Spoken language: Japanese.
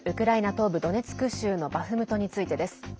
東部ドネツク州のバフムトについてです。